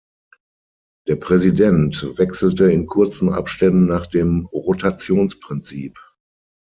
Der Präsident wechselte in kurzen Abständen nach dem Rotationsprinzip.